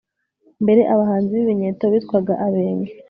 mbere abahanzi b'ibinyeto bitwaga abenge